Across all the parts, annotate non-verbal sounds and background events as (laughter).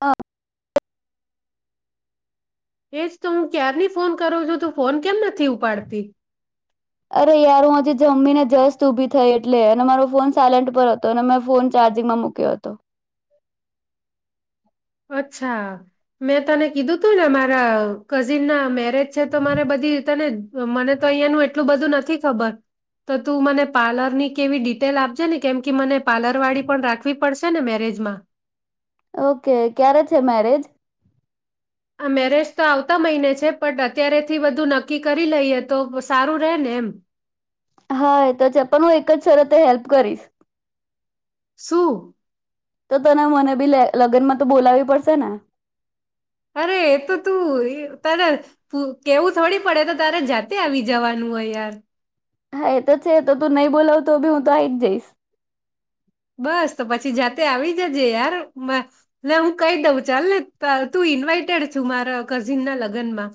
હા એજ તો હું ક્યારની ફોન કરું છું તો ફોન કેમ નથી ઉપાડતી અરે યાર હું હજી જમી ને જસ્ત ઊભી થઈ એટલે અને મારો ફોન સાયલેન્ટ પર હતો અને મેં ફોન ચાર્જિંગમાં મૂક્યો હતો અચ્છા મેં તને કીધું તું ને મારા કઝિન ના મેરેજ તો મારે બધી તને મને તો અહિયાયા નું એટલું બધું નથી નથી ખબર તો તું મને પાર્લર ની કેવી ડિટેલ આપજે ને કેમ કે મને પાર્લર વાળી પણ રાખવી પડશે ને મેરેજમાં ઓકે ક્યારે છે મેરેજ આ મેરેજ તો આવતા મહિને છે પણટ અત્યારેથી બધું નક્કી કરી લઈએ તો સારું રહે ને એમ હા એ તો છે પણ હું એક જ શરતે હેલ્પ કરીશ સુું તો તને મને બી લગ્નમાં તો બોલાવી પડશે ને અરે એ તો તું તારે કેવું થોડી પડે તો તારે જાતે આવી જવાનું હોય યાર હા એ તો છે તો તું નહી બોલાવતો ભી હું તો આ આવી જ જઈશ બસ તો પછી જાતે આવી જજે યાર હું કહી દઉં ચાલ ને તું ઈન્વાઈટેડ છું મારા કઝિન ના લગ્નમાં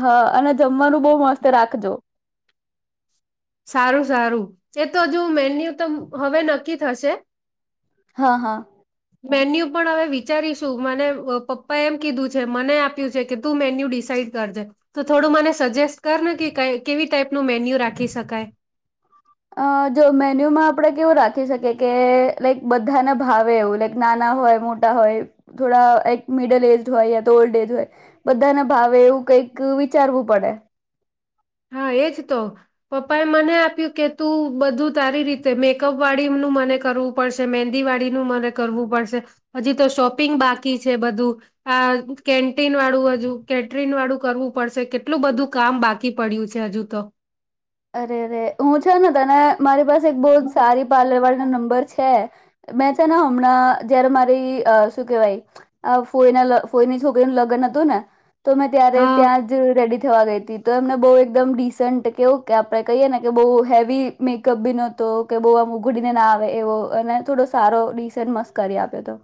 હા અને જમવાનું બહ મસ્ત રાખજો સારું સારું એ તો જો મે હવે નક્કી થશે હા હા મેન્યુ પણ હવે વિચારીશું મને પપ્પા એમ કીધું છે મને આપ્યું છે કે તું મેન્યુ ડિસાઈડ કરજે તો થોડું મને સજેસ્ટ કર ને કે કેવી ટાઈપ નું મેન્યુ રાખી શકે અ જો મેન્યુમાં આપડે કેવું રાખી લખી શકે કે લક બધાના ભાવે એવું લક નાના હોય મોટા હોય થોડાક મિડલ એજ હોય યા તો ઓલ્ડ એજ હોય બધાના ભાવે એવું કઈક વિચારવું પડે હા એજ તો પપ્પા એ મને આપ્યું કે તું બધું તારી રીતે મેકઅપ વાળીનુંું મને કરવું પડશે મંદી વાળીનુંું મને કરવું પડશે હજી તો શોપિંગ બાકી છે બધું આ કેન્ટીન વાળું હજુ કેટરિન વાળું કરવું પડશે કેટલું બધું કામ બાકી કી પડ્યું છે હજુ તો અરે અરે હું છે ને તને મારી પાસે એક બહુત સારી પાર્લર વાળ ના નંબર છે મેં છે ને હમણાં જયારે મારી શું કેવાય ફોઈના ફોઈની છોકરી નું લગ્ન હતું ને તો મેં ત્યારે હા ત્યાં જ રેડી થવા ગઈ હતી તો એમને બહુ એકદમ ડીસન્ટ કેવું કે આપડણે કહીએ ને કે બહુ હેવી મેકઅપ બી નતો કે બહુ આમ ઉઘડીને ના આવે એવો અને થોડો સારો ડિસેન્ટ મસ્ કરી આપ્યો હતો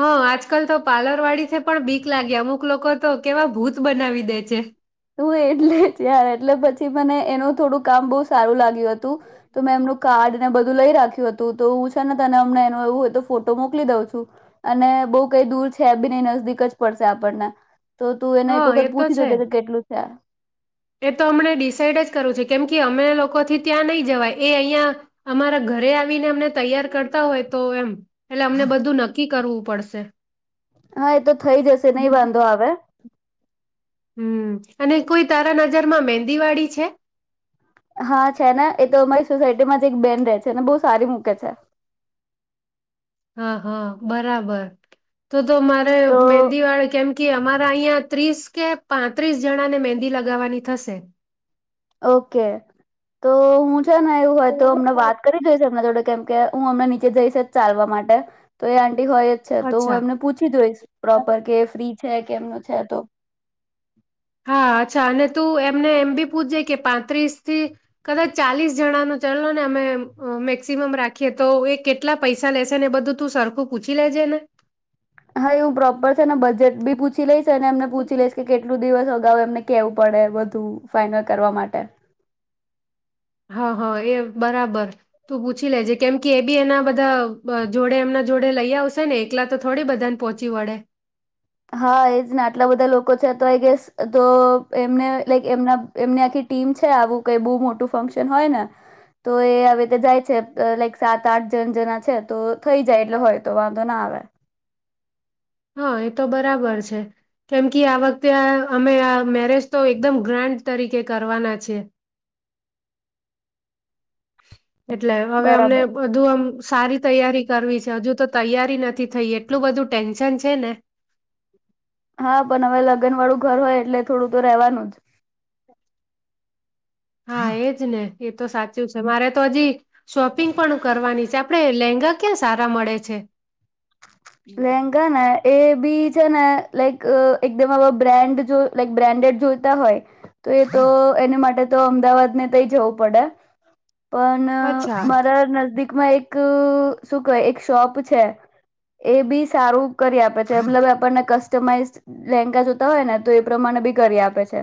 હા આજકાલ તો પાર્લર વાડીીથી પણ બીક લાગી અમુક લોકો તો કેવા ભૂત બનાવી દે છે થી મને એનું થોડુંક કામ બહ સારું લાગ્યું હતું તો મેં એમનું કાર્ડ ને બધું લઈ રાખ્યું હતું તો હું છે ને તને અમને એ એવું હોય તો ફોટો મોકલી દઉં છું અને બહ કઈ દૂર છે બી ન નજદીક જ પડશે આપણને તો તું એને હા એક એ વખત તો પૂછી છે દઉજે કેટલું છે એ તો હમને ડિસાાઈડ જ કરું છે કેમ કે અમે લોકોથી ત્યાં નહી જવાય એ અહં અમારા ઘરે આવીને અમને તૈયાર કરતા હોય તો એમ એટલે અમને બધું નક્કી કરવું પડશે હા એ તો થઈ જશે નહી વાંધો આવે હમ અને કોઈ તારા નજરમાં મેંદીવાડી છે હા છે ને એ તો અમારી સોસાયટી માં જ એક બેન રહે છેને બહુ સારી મૂકે છે હા હા બરાબર તો તો મારે તો મહેંદીવાળ કેમ કે અમારા અહીિયાં ત્રીસ કે પાંત્રીસ જણાને મંદી લગાવવાની થશે ઓકે તો હું એવું હોય તો અમને વાત કરી દઈ છે થડે કેમ કે હું અમને નીચે જઈશ ચાલવા માટે તો એ હોય જ છે તો હું અચ્છા એમને પૂછી દઉશ પ્રોપર કે ફ્રી છે કેમનું છે તો હા અચ્છા અને તું એમને એમ બી પૂછજે કે પાંત્રીસ થી કદાચ ચાલીસ જણાનું ચાલલો ને અમે મેક્સિમમ રાખીએ તો એ કેટલા પૈસા લેશે ને એ બધું તું સરખું પૂછી લેજે ને હા એવું પ્રોપર છે ને બજેટ બી પૂછી લઈશ અને એમને પૂછી લશ કેટું કેટું દિવસ અગાઉ એમને કેવું પડે બધું ફાઈનલ કરવા માટે હા હ એ બરાબર તું પૂછી લેજે કેમ કે એ બી એના બધા જોડે એમના જોડે લઈ આવશે ને એકલા તો થોડી બધાને પહોંચી વળે હા એ જને આટલા બધા લોકો છે તો આઈ ગેસ તો એમને લક એમના એમની આખી ટીમ છે આવું કઈ બહુ મોટું ફંક્શન હોય ને તો એ આવી રીતે જાય છે લાઈક સાત આઠ જણ જના છે તો થઈ જાય એટલે હોય તો વાંધો ના આવે હા એ તો બરાબર છે કેમ કે આ વખતે આ અમે આ મેરેજ તો એકદમ ગ્રાન્ડ તરીકે કરવાના છી (inaudible) એટલે હવે અમને બરાબર બધું આમ સારી તૈયારી કરવી છે હજુ તો તૈયારી નથી થઈ એટલું બધું ટેન્શન છે ને હા પણ હવે લગ્ન વાળું ઘર હોય એટલે થોડું તો રહેેવાનું જ હા એજ ને એ તો સાચું છે મારે તો હજી શોપિંગ પણ કરવાની છે આપડે લેંગા ક્યાં સારા મળે છે લહેંગા ના એ બી છે ને લાઈક એકદમ આ બ્રાન્ડ જો લક બ્રાન્ડેડ જોઈતા હોય તો એ તો એને માટે તો અમદાવાદ ને તઈ જવું પડે અચ્છા પણ મારા નદીક એક શું ક એક શોપ છે એ બી સારું કરી આપે છે, મતલબ આપણને કસ્ટમાઈઝ લેંઘા જોતા હોય ને તો એ પ્રમાણે બી કરી આપે છે.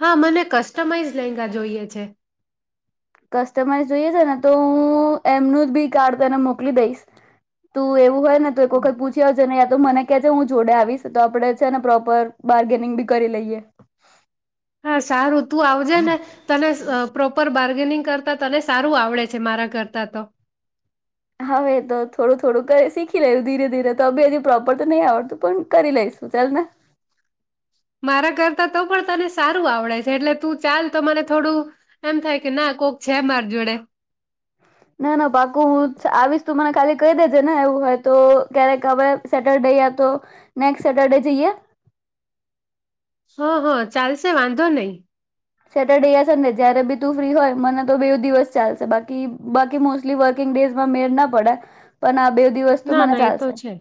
હા મને કસ્ટમાઈઝ લેંઘા જોઈએ છે. કસ્ટમાઈઝ જોઈએ છે ને તો હું એમનું જ બી કાર્ડ તને મોકલી દઈશ. તું એવ વું હોય ને તો એક વખત પૂછી આવજે ને (inaudible) મને કે છે હું જોડે આવીશ તો આપણેે છે ને પ્રોપર બાર્ગેનિંગ બી કરી લઈએ. હા, સારું તું આવજે ને તને પ્રોપર બાર્ગેનિંગ કરતા તને સારું આવડે છે. મારા કરતા તો હવે તો થોડું થોડું શીખી લેું ધીરે ધીરે તો બી હજુ પ્રોપર તો નહી આવડતું પણ કરી લઈશુ ચાલને. મારા કરતા તો પણ તને સારું આવડે છે એટલે તું ચાલ તો મને થોડું એમ થાય કે ના કોક છે, માર જોડે. ના ના પાકુ હું આવીશ તું મને ખાલી કહી દેજે ને એવું હોય તો ક્યારેક હવે સેટરડે યા તો, નેક્સ્ટ સેટરડે જઈએ? હ હ ચાલશે વાંધો નહી. સેટરડે યા સન્ડે જયારે બી તું ફ્રી હોય મને તો બે દિવસ ચાલશે બાકી બાકી મોસ્ટલી વર્કિંગ ડેઝમાં મેળ ના પડાય. પણ આ બે દિવસ તો ના મને ના એ તો ચાલશે. છે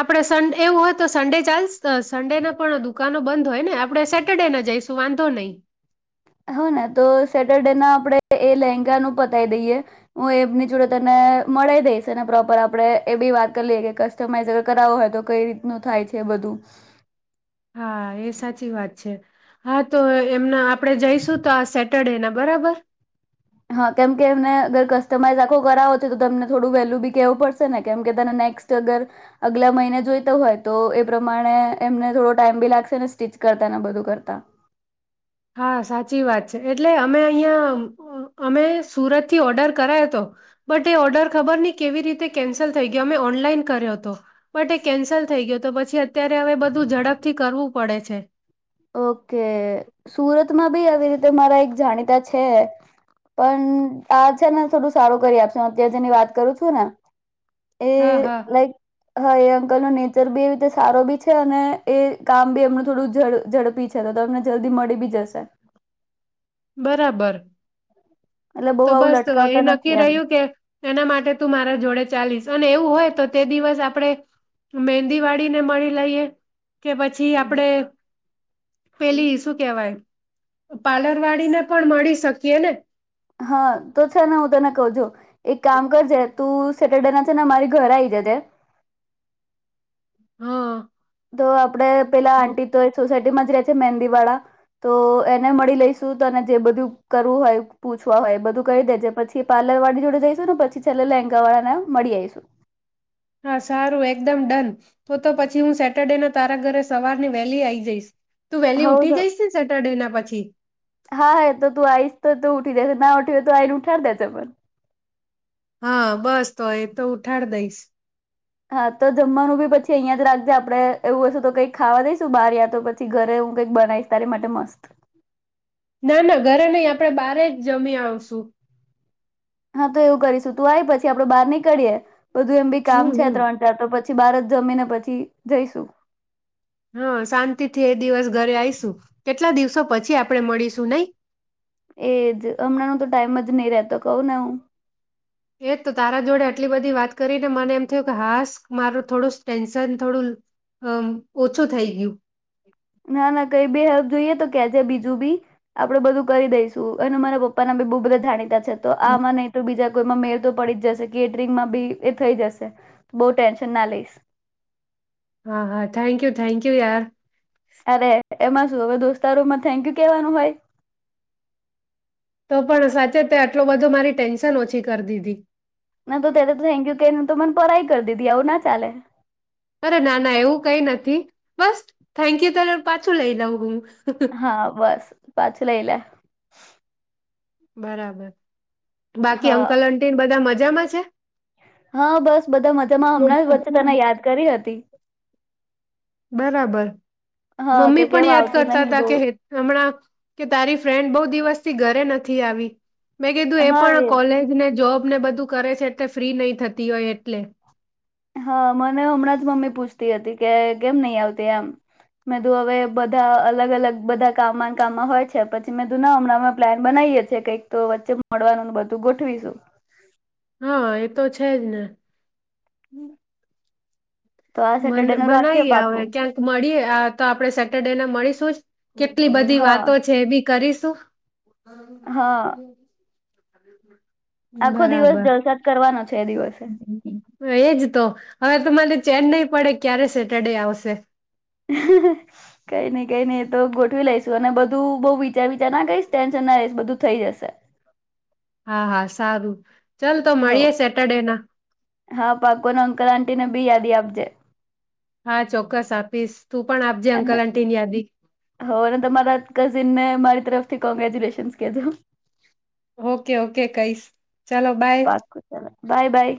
આપડે સે એવું હોય, તો સન્ડે ચાલશે? બ સન્ડે ના પણ દુકાનો બંધ હોય, ને આપણે સેટરડેને જઈશું વાંધો નહી. હ ને તો સેટરડે ના આપણે એ લેહેંગાનું પતાય દઈએ. હું એપની જોડે તને મળી દઈશ પ્રોપર આપડણે એ બી વાત કરી લએ કે કસ્ટમાઈઝગર કરાવવો હોય તો કઈ રીતનું થાય છે એ બધું. હા એ સાચી વાત હા, તો એમને આપડે જઈશું તો આ સેટરડે ના બરાબર. હા કેમ કે એમને અગર કસ્ટમાઈઝ આખો કરાવો છે તો તમને થોડું વેલ્યુ બી કેવું પડશે ને કેમકે તને નેક્સ્ટ અગર અગલા મહિને જોઈતો હોય, તો એ પ્રમાણે એમને થોડો ટાઈમ બી લાગશે ને, સ્ટિચ કરતા ને બધું કરતા. હા સાચી વાત છે, એટલે અમે અહીંયા અમે સુરતથી ઓર્ડર કરાયો હતો, બટ એ ઓર્ડર ખબર નહી કેવી રીતે કેન્સલ થઈ ગયો અમે ઓનલાઈન કર્યો હતો બટ એ કેન્સલ થઈ ગયો, તો પછી અત્યારે હવે બધું ઝડપથી કરવું પડે છે. ઓકે! સુરત. બી આવી રીતે મારા એક જાણીતા છે, પણ આ છે ને થોડું સારું કરી આપશ હું અત્યાર જેની વાત કરું છું ને. એ હા હા લાઈક હા એ અંકલ હ ન દરજી એ રીતે સારો બી છે, અને એ કામ બી એમનું થોડું ઝડપ. ઝડપી છેે. તો તો તમને જલ્દી મળી બી જશે. બરાબર. એટલે બહુ તો આવું બસ એ લટકાવતા નક્કી નથી એમ રહ્યું કે એના માટે તું મારા જોડે ચાલીસ અને એવું હોય તો તે દિવસ આપણે મહેંદી વાળીને મળી લઈએ કે પછી આપણેે પેલી શું કેહેવાય પાર્લર વાળીને પણ મળી શકીએ ને હા તો છે ને હું તને કહું જો એક કામ કરજે તું સેટરડે ના છે ને મારી ઘર આ આવી જજે હમ તો આપડે પેલા આંટી તો એ સોસાયટી એમાં જ રહે છે મહેંદી વાળા તો એને મળી લઈશું તને જે બધું કરવું હોય પૂછવા હોય એ બધું કરી દેજે પછી પાર્લર વાળી જોડે જઈશું ને પછી છેલ્લે લેંગા વાળા ને મળી આવીઈશું હા સારું એકદમ ડન તો તો પછી હું સેટરડે ના તારા ઘરે સવારની વહેલી આ આવી જઈશ તું વહેલી ઉઠી હવતો જઈશ ને સેટરડે ના પછી હા હ તો તું આવીઈશ તો ઉ ઉ દે ના ઉઠી તો આઈને ઉઠર દે છે પણ હા બસ તો એ તો ઉઠાડ દઈશ હા તો જમવાનું બી પછી અહીયાયા જ રાખજે આપડે એવું વતુ તો કઈક ખાવા દઈશું બહાર યા તો પછી ઘરે હું કઈક બનાવીશ તારી માટે મસ્ત ના ના ઘરે નહી આપણે બારે જ જમી આવશું હા તો એવું કરીશું તું આવી પછી આપડો બહાર નીકળીએ બધું એમ બી કામ હમ છે હમ ત્રણ ચાર તો પછી પછી બારત જમીને પછી જઈશું હા શાંતિથી એ દિવસ ઘરે આવીઈશું કેટલા દિવસો પછી આપણેે મળીશું નહી એજ હમણાં ન તો ટાઈમ જ નહી રતો કહું ને હું એજ તો તારા જોડે આટલી બધી વાત કરીને મને એમ થયું કે હાાસ મારું થોડું ટેન્શન થોડું અ ઓછું થઈ ગયું ના ના કઈ બેી હપ જોઈએ તો કે છે બીજું બી આપડે બધું કરી દઈશું અને મારા પપ્પા ના બી બહ બધા જાણીતા તો આમાં નહી તો બીજા કોઈમાં મેર તો પડી જ જશે કેટરિંગમાં બી એ થઈ જશે બહ ટેન્શન ના લઈશ હા હા થેન્ક યુ થેન્ક યુ યાર અરે એમાં શું હવે દોસ્તારૂમમાં થેન્ક યુ કેવાનું હોય તો પણ સાચેત આટલું બધો મારી ટેન્શન ઓછી કરી દીધી ના તો ત્યારે તો થેન્કયુ તો મને પરાઈ કરી દીધી આવું ના ચાલે અરે ના ના એવું કઈ નથી બસ થેન્ક યુ તો પાછું લઈ લઉં હું હા બસ પાછું લ એ લ (inaudible) બરાબર બાકી હા અંકલ અટીી ને બધા મજા જામાં છે હા બસ બધા મજામાં હમણાં જ વચ્ચે તને યાદ કરી હતી બરાબર હા કે મમ્મી પણ કેમ યાદ આવતી કરતા નહીં હતા બહુ કે હમણાં કે તારી ફ્રેન્ડ બહ દિવસ પી ઘરે નથી આવી મેં કીધું એ પણ કોલેજ ને જોબ તમને બધું કરે છે એટલે ફ્રી નહી થતી હોય એટલે હા મને હમણાં જ મમ્મી પૂછતી હતી કે કેમ નહીિ આવતી એમ મેં તું હવે બધા અલગ અલગ બધા કામ કામમાં હોય છે પછી મેં તું ના હમણાં પ્લાન બનાવીએ છી કઈક તો વચ્ચે મળવાનું બધું ગોઠવીશું હા એતો છેજ ને તો આ સેટરડે નું રાખીએ બનાવીએ હવે પાકું ક્યાંક મળીએ તો આપણેે સેટરડે ને મળીશું જ કેટલી બધી હા વાતો છે એ બી કરીશું હા પોોતી આખો દિવસ જલસાત કરવાનો છે એ દિવસે એજ તો હવે તમારે ચેન્નઈ પડે ક્યારે સેટરડે આવશે કઈ નઈ કઈ નઈ એતો ગોઠવી લઈશુ અને બધું બઉ વિચાર વિચાર ના કઈશ ટેન્શન ના રઈશ બધું થઈ જશે હા હા સારું ચાલ તો હો મળીએે સેટરડે ના હા પાકોને અંકલ આંટીને બી યાદી આપજે હા ચોક્કસ આપીશ તું પણ આપજે અંકલ આંટીની યાદી હો તમારા કઝિન ને મારી તરફ કોંગ્રેચ્યુલેશન કજો ઓકે ઓકે કહીશ ચાલો બાય પાકું ચાલો બાય બાય